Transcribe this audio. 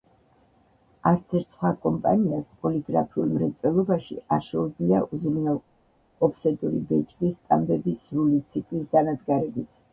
არცერთ სხვა კომპანიას პოლიგრაფიულ მრეწველობაში, არ შეუძლია უზრუნველყოს ოფსეტური ბეჭდვის სტამბები სრული ციკლის დანადგარებით.